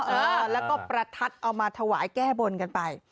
เออแล้วก็ประทัดเอามาถวายแก้บนกันไป